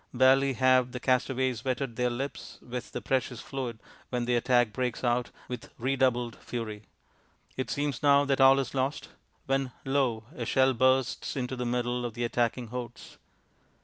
Barely have the castaways wetted their lips with the precious fluid when the attack breaks out with redoubled fury. It seems now that all is lost... when, lo! a shell bursts into the middle of the attacking hordes.